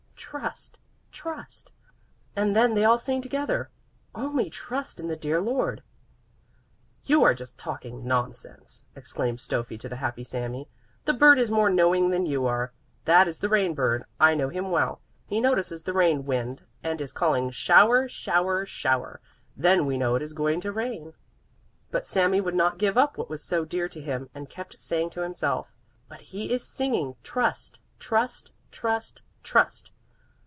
Trust! Trust!' And then they all sing together: 'Only trust the dear Lord!'" "You are just talking nonsense!" exclaimed Stöffi to the happy Sami. "The bird is more knowing than you are. That is the rain bird; I know him well. He notices the rain wind and is calling: 'Shower! Shower! Shower!' Then we know it is going to rain." But Sami would not give up what was so dear to him and kept saying to himself: "But he is singing: 'Trust! Trust! Trust! Trust!